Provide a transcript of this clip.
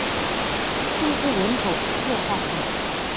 苏斯人口变化图示